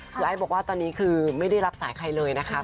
คือไอซ์บอกว่าตอนนี้คือไม่ได้รับสายใครเลยนะคะ